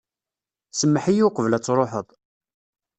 Semmeḥ-iyi uqbel ad truḥeḍ.